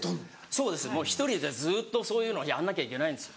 そうですもう１人でずっとそういうのをやんなきゃいけないんです。